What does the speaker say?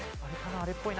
あれっぽいな。